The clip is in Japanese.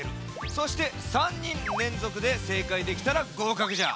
そして３にんれんぞくでせいかいできたらごうかくじゃ。